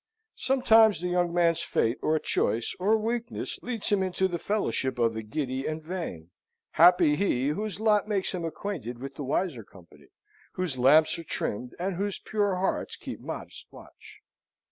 Sometimes the young man's fate, or choice, or weakness, leads him into the fellowship of the giddy and vain; happy he, whose lot makes him acquainted with the wiser company, whose lamps are trimmed, and whose pure hearts keep modest watch.